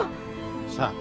lihat kesnya sekarang